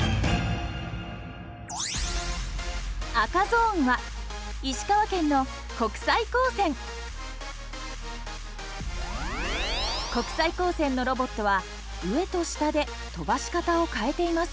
赤ゾーンは石川県の国際高専のロボットは上と下で飛ばし方を変えています。